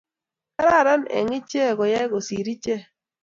kararan eng ichek koyai kosir ichek